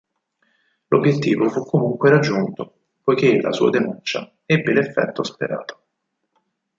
L'obiettivo fu comunque raggiunto, poiché la sua denuncia ebbe l'effetto sperato.